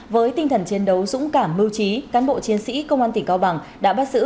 với tinh thần chiến đấu dũng cảm mưu trí cán bộ chiến sĩ công an tỉnh cao bằng đã bắt giữ